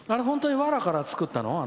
本当にわらから作ったの？